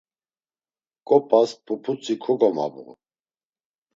Ǩop̌as puputzi kogomabğu.